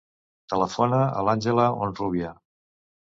Telefona a l'Àngela Honrubia.